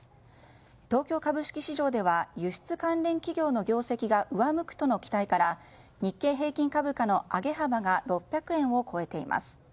東京株式市場では輸出関連企業の業績が上向くとの期待から日経平均株価の上げ幅が６００円を超えています。